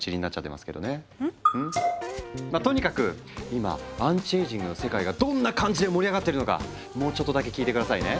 まあとにかく今アンチエイジングの世界がどんな感じで盛り上がってるのかもうちょっとだけ聞いて下さいね。